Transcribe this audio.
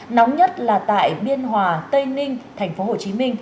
nóng nhất là tại biên hòa tây ninh tp hcm